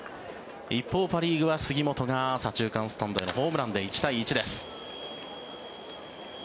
一方、パ・リーグは杉本が左中間スタンドへのホームランで１対１です。